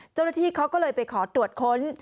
เจ้าหน้าที่เขาก็เลยไปขอตรวจค้น